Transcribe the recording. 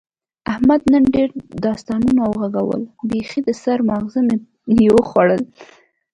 احمد نن ډېر داستانونه و غږول، بیخي د سر ماغز مې یې وخوړل.